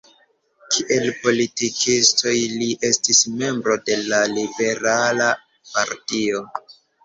Kiel politikistoj li estis membro de la liberala partio.